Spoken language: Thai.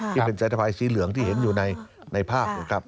ที่เป็นสายทภายสีเหลืองที่เห็นอยู่ในภาพ